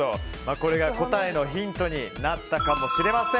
これが答えのヒントになったかもしれません。